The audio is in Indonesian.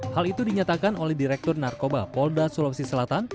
hal itu dinyatakan oleh direktur narkoba polda sulawesi selatan